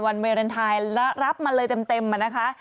วันวาเลนไทยรับมาเลยเต็มมานะคะ